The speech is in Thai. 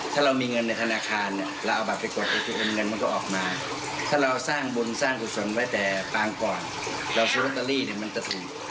ถ้าเรามีเงินในธนาคารเนี่ยเราเอาบัตรไปกดไอทีเอ็ม